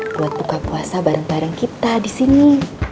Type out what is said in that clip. buat buka puasa bareng bareng kita disini